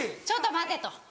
ちょっと待て」と。